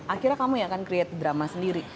akhirnya kamu yang akan create drama sendiri